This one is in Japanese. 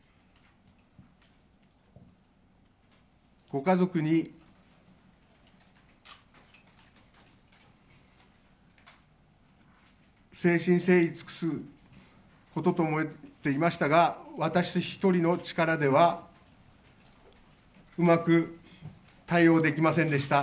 ご家族に誠心誠意尽くすことと思っていましたが、私一人の力ではうまく対応できませんでした。